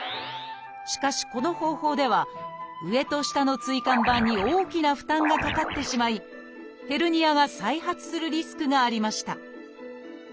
しかしこの方法では上と下の椎間板に大きな負担がかかってしまいヘルニアが再発するリスクがありました